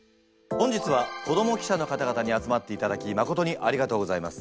本日は子ども記者の方々に集まっていただきまことにありがとうございます。